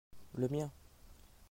le mien.